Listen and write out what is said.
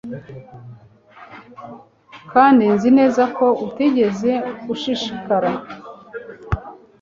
kandi nzi neza ko utigeze ushishikara